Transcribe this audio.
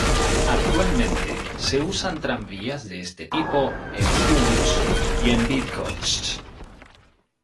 Actualmente se usan tranvías de est tipo en Łódź y en Bydgoszcz.